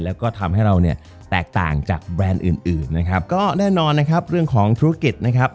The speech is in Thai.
แล้วก็ทำให้เราเนี่ยแตกต่างจากแบรนด์อื่นอื่นนะครับก็แน่นอนนะครับเรื่องของธุรกิจนะครับ